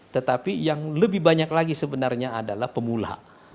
tetapi yang lebih banyak lagi sebenarnya adalah pemula